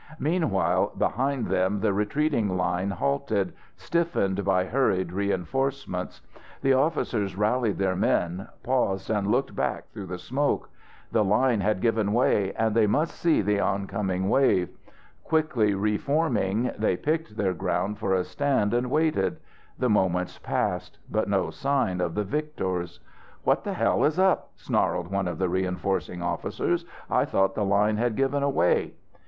Meanwhile, behind them the retreating line halted, stiffened by hurried reinforcements. The officers rallied their men, paused and looked back through the smoke. The line had given way and they must meet the oncoming wave. Quickly reforming, they picked their ground for a stand and waited. The moments passed, but no sign of the victors. "What the hell is up?" snarled one of the reinforcing officers. "I thought the line had given way."